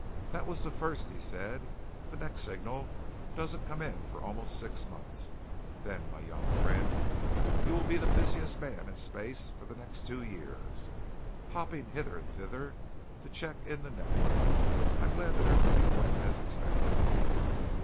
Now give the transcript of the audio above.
"That was the first," he said. "The next signal doesn't come in for almost six months. Then, my young friend, you will be the busiest man in space for the next two years, hopping hither and thither to check in the network. I'm glad that everything went as expected."